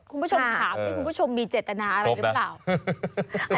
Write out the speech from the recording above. คุณผู้ชมถามนี่คุณผู้ชมมีเจตนาอะไรหรือเปล่า